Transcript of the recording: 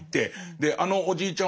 であのおじいちゃん